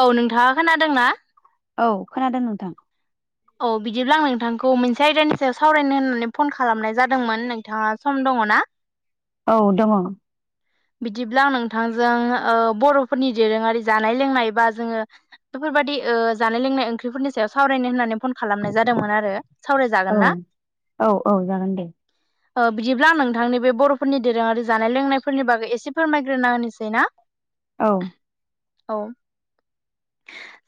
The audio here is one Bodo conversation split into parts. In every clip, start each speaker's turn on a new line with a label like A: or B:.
A: औ नोंथाङा खोनादोंना?
B: औ खोनादों नोंथां
A: औ बिदिब्ला आं नोंथांखौ मोनसे आयदानि सायाव सावरायनो होननानै फन खालामनाय जादोंमोन नोंथाङा सम दङना?
B: औ दङ
A: बिदिब्ला नोंथांजों ओ बर'फोरनि दोरोङारि जानाय लोंनाय बा जोङो बेफोरबादि ओ जानाय लोंनाय ओंख्रिफोरनि सायाव सावरायनो होननानै फन खालामनाय जादोंमोन आरो। सावरायजागोन ना?
B: औ औ जागोन दे
A: ओ बिदिब्ला नोंथांनि बे बर'फोरनि दोरोङारि जानाय लोंनाय फोरनि बागै एसे फोरमायग्रोना होनोसै ना
B: औ
A: औ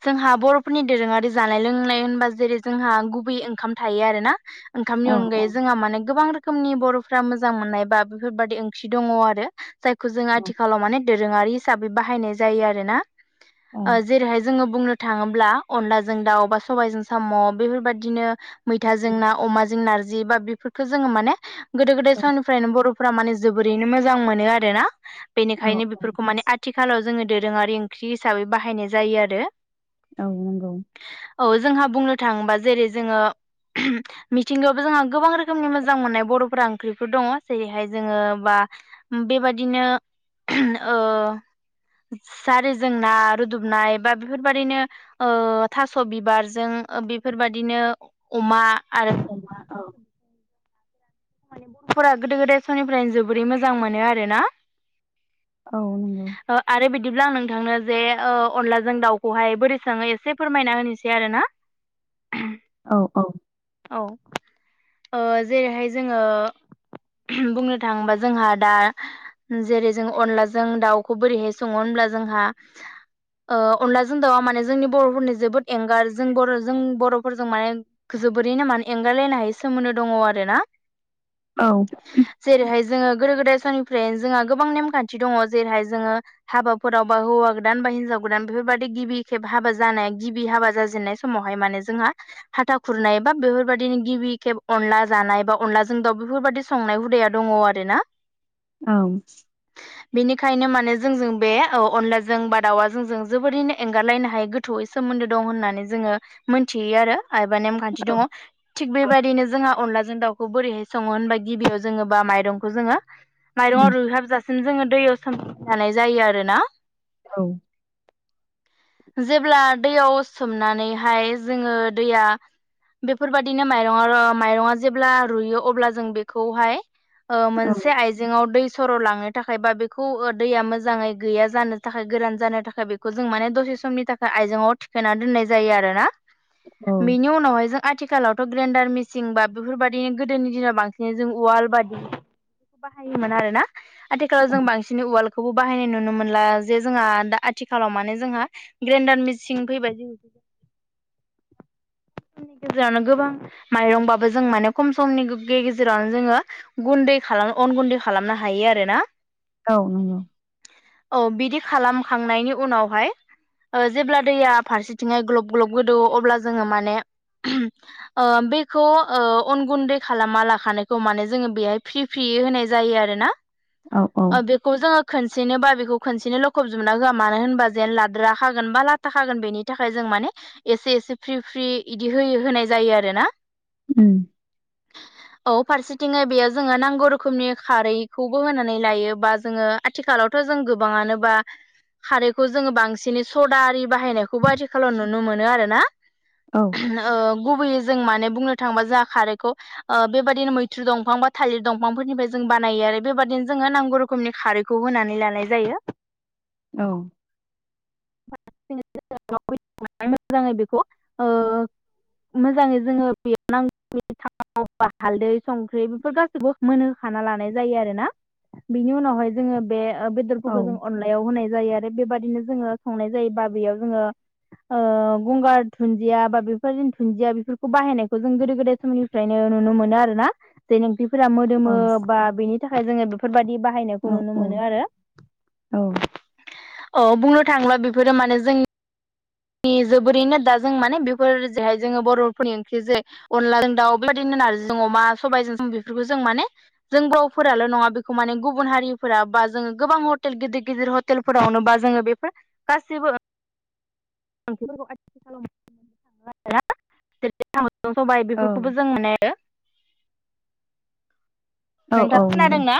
A: जोंहा बर'फोरनि दोरोङारि जानाय लोंनाय होनबा जेरै- जोंहा गुबैयै ओंखाम थायो आरो ना ओंखामनि
B: औ औ
A: अनगायै जोंहा माने गोबां रोखोमनि बर'फ्रा मोजां मोननाय बा बेफोरबादि ओंख्रि दङ आरो। जायखौ जों आथिखालाव माने दोरोङारि हिसाबै बाहायनाय जायो आरो ना
B: औ
A: ओ जेरैहाय जोङो बुंनो थाङोब्ला अनलाजों दाउ बा सबायजों साम' बेफोरबादिनो मैथाजों ना अमाजों नारजि बा बेफोरखौ जोंङो माने गोदो गोदाय समनिफ्रायनो बर'फ्रा माने जोबोरैनो मोजां मोनो आरोना
B: औ
A: बेनिखायनो बेफोरखौ माने आ थिखालाव जोङो दोरोङारि ओंख्रि हिसाबै बाहायनाय जायो आरो।
B: औ नंगौ
A: औ जोंहा बुंनो थाङोबा जेरै- जोङो [unintelligible] मिथिंगायावबो जोंहा गोबां रोखोमनि मोजां मोननाय बर'फोरा ओंख्रिफोर दङ जेरैहाय जोङो बा बेबादिनो [unintelligible] ओ जारिजों ना रुदुबनाय बा बेफोरबादिनो ओ थास' बिबारजों बेफोरबादिनो अमा आरो
B: अमा औ
A: माने बर'फोरा गोदो गोदाय समनिफ्रायनो जोबोरै मोजां मोनो आरोना
B: औ नंगौ
A: ओ आरो बिदिब्ला आं नोंथांनो जे ओ अनलाजों दाउखौहाय बोरै सोङो एसे फोरमायना होनोसै आरोना [unintelligible]
B: औ औ
A: औ ओ जेरैहाय जोङो बुंनो थाङोबा जोंहा दा जेरै- जों अनलाजों दाउखौ बोरैहाय सङो होनब्ला जोंहा ओ अनलाजों दाउआ माने जोंनि बर'फोरनि जोबोद एंगार जों बर' जों बर'फोरजों माने जोबोरैनो माने एंगार लायनो हायै सोमोन्दो दङ आरोना।
B: औ
A: जेरैहाय जोंङो गोदो गोदाय समनिफ्रायनो जोंहा गोबां नेमखान्थि दङ जेरैहाय जोङो हाबाफोरावबा हौवा गोदान बा हिनजाव गोदान बेफोरबादि गिबि खेब हाबा जानाया गिबि हाबा जाजेननाय स समावहाय माने जोंहा हाथा खुरनाय बा बेफोरबायदिनो गिबि खेब अनला जानाय बा अनला जों दाउ बेफोरबायदि संनाय हुदाया दङ आरो ना
B: औ
A: बेनिखायनो माने जोंजों बे औ अनलाजों बा दाउआ जोंजों जोबोरैनो एंगारलायनो हायै गोथ थौयै सोमोन्दो दं होननानै जोङो मोनथियो आरो। एबा नेमखान्थि
B: औ
A: दङ थिग बेबायदिनो जोंहा अनलाजों दाउखौ बोरैहाय सङो होनबा गिबियाव जोङो बा माइरंखौ जोङो माइरङा रुइहाबजासिम जोङो दैयाव [unintelligible] लानाय जायो आरो ना।
B: औ
A: [inaudible] जेब्ला दैयाव सोमनानैहाय जोंङो दैया बेफोरबायदिनो माइरङा- माइरङा जेब्ला रुयो अब्ला जों बेखौहाय मोनसे आइजेंङाव दै सर' लांनो थाखाय बा बेखौ दैया मोजाङै गैया जानो थाखाय गोरान जानो थाखाय बे जों माने दसे समनि थाखाय आइजेंआव थिखोना दोननाय जायो आरोना। बिनि उनावहाय जों आथिखालावथ' ग्रेन्डार मिसिन बा बेफोरबायदिनो गोदोनि दिनाव बांसिन जों उवाल बादि बे बाहायोमोन आरोना। आथिखालाव जों बांसिनै उवालखौबो बाहायनाय नुनो मोनला जे जोंहा दा आथिखालाव माने जोंहा ग्रेन्डार मिसिं फैबाय जों नि गेजेरावनो गोबां माइरंबाबो जों माने खम समनि गेजेरावनो जोङो गुन्दै खालाम अन गुन्दै खालामनो हायो आरोना।
B: औ नंगौ
A: औ बिदि खालामखांनायनि उनावहाय जेब्ला दैया फारसेथिंयाय ग्लब ग्लब गोदौ अब्ला जोंङो माने आ बेखौ ओ अन गुन्दै खालामा लाखानायखौ माने जोङो बेहाय फ्रि फ्रियै होनाय जायो आरोना।
B: औ
A: ओ बिग खौ जोंङो खनसेनो बा बेखौ खनसेनो लखबजोबना होआ मानो होनबा जेन लाद्राखागोन बा ला थाखागोन बेनि थाखाय जों माने एसे एसे फ्रि फ्रि बिदि होयो होनाय जायो आरोना।
B: उम
A: औ फारसेथिंहाय बेयो जोङो नांगौ रोखोमनि खारैखौबो होनानै लायो बा जोङो आथिखालावथ' जों गोबाङानोबा खारैखौ जोङो बांसिनै सदा आरि बाहायनायखौबो आथिखालाव नुनो मोनो आरोना।
B: औ
A: गुबैयै जों माने बुंनो थांङोबा जों खारैखौ बेबायदिनो मैथ्रु दंफां बा थालिर दंफांफोरनिफ्राय जों बानायो आरो बेबायदिनो जोङो नांगौ रोखोमनि खारैखौ खौ होनानै लानाय जायो।
B: औ
A: मोजाङै बेखौ ओ मोजाङै जोङो बेयाव नांगौ थाव, हालदै, संख्रि बेफोर गासैखौबो मोनहोखाना लानाय जायो आरो ना। बिनि उनावहाय जोंङो बे बेदरफोरखौ जों अनलायाव होनाय जायो आरो बेबायादिनो जोंङो संनाय जायोबा बियाव जोङो गंगार दुन्दिया बा बेफोरनो दुन्दिया बेफोरखौ बाहायनायखौ जों गोदो गोदाय समनि फ्रायनो नुनो मोनो आरोना जे नोंथिफोरा
B: औ
A: मोदोमो बा बेनि थाखाय जोङो बेफोरबायदि ब बाहायनायखौ नुनो मोनो। आरो औ बुंनो थांला बेफोरो माने जों नि जोबोरैनो दा जों माने बेफोर जेहाय जोङो बर'फोरनि ओंख्रिजों अनलाजों दाउ बेबायदिनो नारजि जों अमा सबायजों जों बेफोरखौ जों माने जों बावफोराल' नङा बेखौ माने गुबुन हारिफोरा बा जोङो गोबां हटेल गिदिर-गिदिर ह हटेलफोरावनो बा जोङो बेफोर गासिबो ओंखफोरखौ आथि खालाम थांलाा [unintelligible] जेरजों साम'जों सबाय बेफोरखौबो जों माने
B: औ औ
A: नोंथाङा खोनादोंना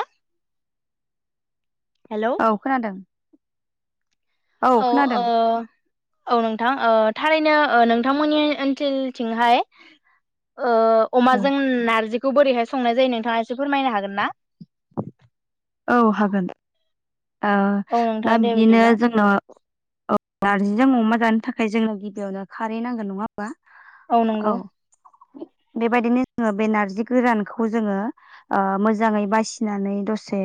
A: हेलौ
B: औ खोनादों
A: औ आ औ नोंथां थारैनो नोंथांमोननि ओनसोलथिंहाय ओ
B: औ
A: अमाजों नारजिखौ बोरैहाय संनाय जायो नोंथाङा एसे फोरमायनो हागोन ना?
B: औ हागोन औ दा
A: नोंथां दे
B: बिदिनो
A: बिदिब्ला
B: जोंनो औ नारजिजों अमा जानो थाखाय जोंनो गिबियावनो खारै नांगोन नङा हबा? औ
A: [inaudible]
B: बेबायदिनो जोङो बे नारजि गोरानखौ जोङो मोजाङै बासिनानै दसे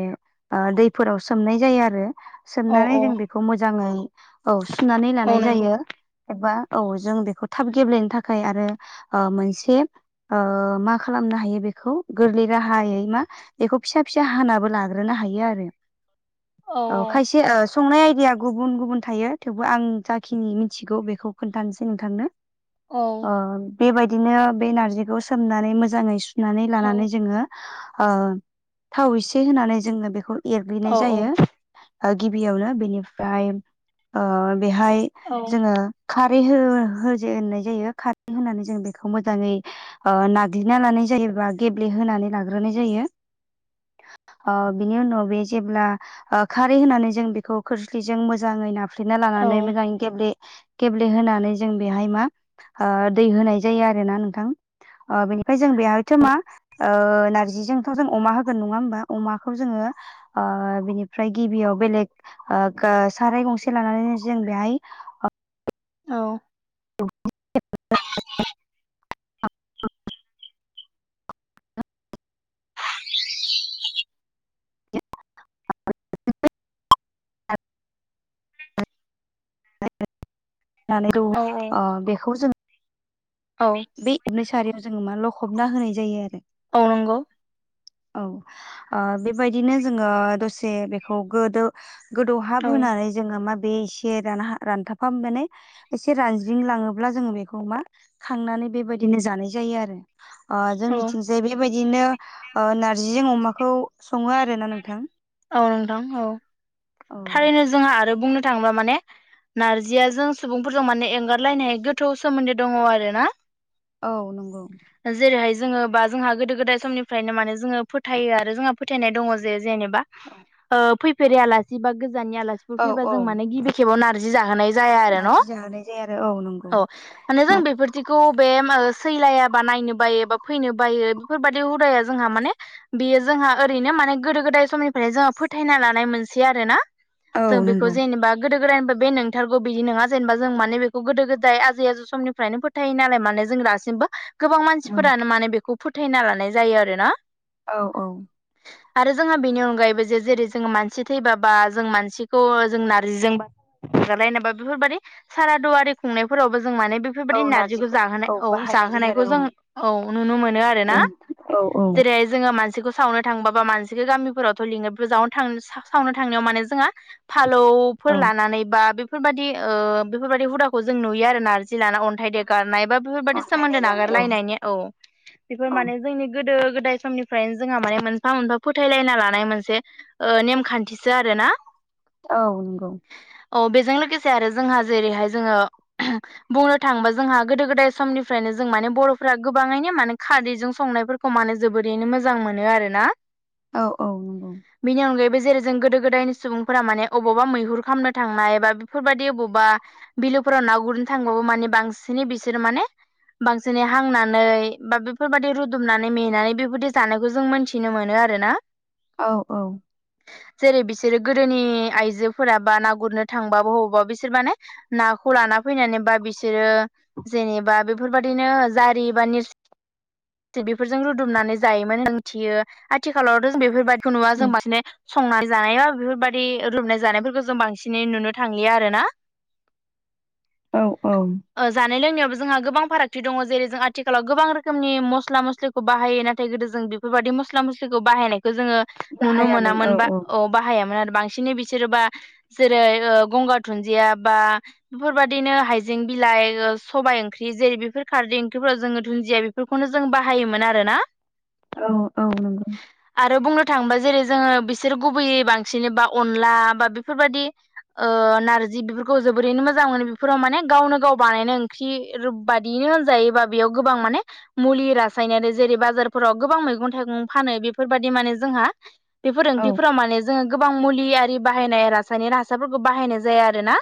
B: दैफोराव सोमनाय जायो आरो
A: औ
B: सोमनानै
A: औ
B: जों बेखौ मोजाङै औ सुनानै
A: औ
B: लानाय
A: नंगौ
B: जायो एबा औ जों बेखौ थाब गेब्लेनो थाखाय आरो ओ मोनसे ओ मा खालामनो हायो बेखौ गोरलै राहायै मा बेखौ फिसा फिसा हानाबो लाग्रोनो हायोआरो औ खायसेओ। संनाय आइडिया गुबुन गुबुन थायो थेवबो आं जाखिनि मिथिगौ बेखौ खोन्थानोसै नोंथांनो।
A: औ
B: ओ बेबायदिनो बे नारजिखौ सोमनानै मोजाङै सुनानै
A: औ
B: लानानै जोङो। ओ थाव एसे होनानै जोङो बेखौ
A: औ
B: एरग्लिनाय जायो। गिबियावनो बेनिफ्राय बेहाय
A: औ
B: जोङो। खारै हो होजेननाय जायो खारै होनानै जों बेखौ मोजाङै। नाग्लिना लानाय जायोबा गेब्लेहानानै लाग्रोनाय जायो। ओ बिनि उनाव बे जेब्ला खारै होनानै जों बेखौ खोरस्लिजों मोजाङै ना। हुफ्रिना लानानै मोजां। गेब्ले गेब्ले होनानै जों बेहाय मा दै होनाय जायो आरोना नोंथां। बिनिफ्राय जों बेहायथ' मा नारजिजोंथ' जों अमा होगोन नङा होमबा। अमाखौ जोङो। ओ बिनिफ्राय गिबियाव बेलेग साराय गंसे लानानैनो जों बेहाय।
A: औ।
B: औ [inaudible] [inaudible]
A: औ
B: बेखौ [inaudible] जोङो
A: औ
B: बे एबै सारियाव [unintelligible] जोङो मा लखबना होनाय जायो आरो
A: औनांगौ
B: औ ओ बेबायदिनो जोङो दसे बेखौ गोदोव गोदौ हाब
A: औ
B: होनानै जोङो मा बे एसे रान रानथाफाम माने एसे रानज्रिंलाङोब्ला जोङो बेखौ मा थांनानै बेबायदिनो जानाय जायो आरो
A: औ
B: जोंनिथिं जे बेबायदिनो नारजिजों अमाखौ सङो आरो ना नोंथां
A: औ नोंथां औ
B: औ
A: थारैनो जोंहा आरो बुंनो थाङोबा माने नारजिया जों सुबुंफोरजों माने एंगारलायनोहायो गोथौ सोमोन्दो दङ आरो ना
B: औ नंगौ
A: जेरैहाय जोङो बा जोंहा गोदो गोदाय समनिफ्रायनो माने जोङो फोथायो आरो जोंहा फोथायनाय दङ जे जेनेबा
B: औ
A: फैफेरै आलासि बा गोजाननि आलासिफोर
B: औ
A: फैबा
B: औ
A: जों माने गिबि खेबाव नारजि जाहोनाय जाया आरो न'
B: नारजि जाहोनाय जाया आरो नंगौ
A: औ माने जों बेफोर बिखौ बे सैलायाबा नायनो बायो बा फैनो बायो बेफोरबादि हुदाया जोंहा माने बियो जोंहा ओरैनो माने गोदो गोदाय समनि ओमफ्राय जोंहा फोथायना लानाय मोनसे आरोना जों
B: औ
A: बेखौ
B: नंगौ
A: जेनेबा गोदो गोदायनिफ्राय बे नंथारगौ बिदि नङा जेनेबा जों माने बेखौ गोदो गोदाय आजै आजौ समनिफ्रायनो फो फोथाय नालाय माने जों दासिमबो गोबां
B: औ
A: मानसिफोरानो माने बेखौ फोथायना लानाय जायो आरोना
B: औ औ
A: आरो जोंओ बेनि अगा जायबा जे जेरै जोङा मानसि थैबाबा जों मानसिखौ जों नारजिजोंबा नजालाय नाबा [unintelligible] बेफोरबायादि सारादुवारि खुंनायफोरावबो जों माने बे
B: औ
A: बेफोरबायदि नारजिखौ जाहोनाय औ
B: बाहायनाय जायो
A: जाहोनायखौ
B: आरो
A: जों औ नुनो मोनो
B: औ
A: आरोना
B: औ औ
A: जेरै जोङो मानसिखौ सावनो थांबाबा मानसिखौ गामिफोराव लग जनो थां [unintelligible] सावनो थांनायाव माने जोंहा फालौफोर
B: औ
A: लानानै बा बे बेफोरबायदि बेफोरबायदि हुदाखौ जों नुयो आरो नारजि लाना अन्थाइ देगारनाय बा बेफोरबायादि
B: अन्थाइ
A: सोमोन्दो
B: देगारनाय औ
A: नागारलायनायनि औ बेफोर
B: औ
A: माने जोंनि गोदो गोदाय समनिफ्रायनो जोंहा माने मोनफा मोनफा फोथायलायना लानो लानाय मोनसे नेमखान्थिसो आरोना।
B: औ नंगौ
A: औ बेजों लोगोसे आरो जोंहा जेरैहाय जोङो बुंनो थाङोबा जोंहा गोदो गोदाय समनिफ्रायनो जों माने बर'फोरा गोबाङैनो माने खारैजों संनायफोरखौ खमानो जोबोरैनो मोजां मोनो आरोना।
B: औ औ नंगौ
A: बिनि अनगायैबो जेरै जों गोदो गोदायनि सुबुंफोरा माने अबावबा मैहुर खालामनो थांनाय बा बेफोरबायाददि अबावबा बिलोफोराव ना गुरनो थांबाबो माने बांसिनै बिसोरो माने बांसिनै हांनानै बा बेफोरबायाददि रुदुमनानै मेनानै बेफोरबायदि जानायखौ जों मिथि थिनो मोनो आरो ना
B: औ औ
A: जेरै बिसोरो गोदोनि आइजोफोरा बा ना गुरनो थांबाबो अबावबा बिसोर माने नाखौ लाना फैनानै बा बिसोरो जेनेबा बेफोरबाददिनो जारि बा नोरसि बेफोरजों रुदुमनानै जायोमोन होनना मिथियो आथिखालावथ' जों बेफोरबायदिखौ नुवा जों बांसिनै संनाय जानाय बा बेफोरबायाददि रोबनाय जानायफोरखौ जों बांसिनै नुनो थांलिया आरो ना। [inaudible]
B: औ औ
A: ओ जानाय लोंनायावबो जोंहा गोबां फारागथि दङ जेरै जों आथिखालाव गोबां रोखोमनि मस्ला मस्लि बाहायो नाथाय गोदो जों बेफोरबायदि मस्ला मस्लिखौ बाहायनायखौ जोङो नुनो
B: बाहायामोन औ
A: मोनामोन बा
B: औ
A: अ बाहायामोन आरो बांसिनै बिसोरोबा जेरै ओ गंगार दुनदिया बा बेफोरबायदिनो हाइजें बिलाइ ओ सबाय ओंख्रि जेरै बेफोर खारदै ओंख्रिफोराव जोङो दुन्दिया बेफोरखौनो जों बाहायोमोन आर ना।
B: औ औ नंगौ
A: आरो बुंनो थाङोबा जेरै जोङो बिसोर गुबैयै बांसिन बा अनला बा बेफोरबायदि ओ नारजि बेफोरखौ जोबोरैनो मोजां मोनो बेफोराव माने गावनो गाव बानायनो ओंख्रि थि बादियनो होनजायोबा बेयाव गोबां माने मुलि रासायनारि जेरै बाजारफोराव गोबां मैगं थाइगं फानो बे बेफोरबायदि माने जोंहा बे
B: औ
A: फोरोंथिफोराव माने जोङो गोबां मुलि आरि बाहायनाय रासायनि हासारफोरखौ बाहायनाय जाया आरो ना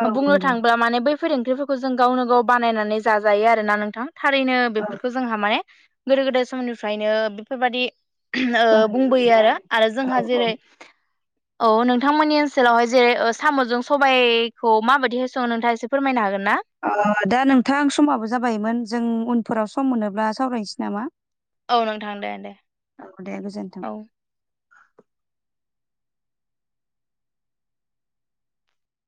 B: औ
A: बुंनो
B: नंगौ
A: थाङोबब्ला माने बै फोर ख्रिफोरखौ जों गावनो गाव बानायनानै जाजायो आरोना नोंथां। थारैनो
B: औ
A: बेफोरखौ जोंहा माने गोदो गोदाय समनिफ्रायनो बेफोरबायादि ओ बुंबोयो आरो
B: बाहायबोयोमोन
A: आरो जोंहा
B: औ
A: जेरै औ नोंथांमोननि ओनसोलावहाय जेरै साम'जों सबायाइखौ माबायदिहाय सङो नोंथाङा एसे फोरमायनो हागोन ना?
B: अ दा नोंथां समाबो जाबायोमोन जों उनफोराव सम मोनोब्ला सावरायनोसै नामा?
A: औ नोंथां दे दे
B: औ दे गोजोन्थों
A: औ